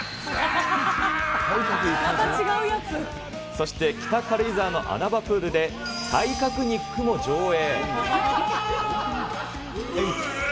そして北軽井沢の穴場プールでタイカクニックも上映。